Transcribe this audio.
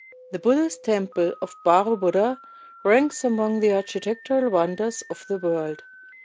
The Buddhist temple of Baro Buddor ranks among the architectural wonders of the world.